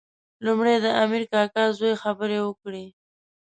لومړی د امیر کاکا زوی خبرې وکړې.